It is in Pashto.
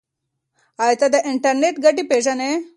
ایا ته د انټرنیټ ګټې پیژنې؟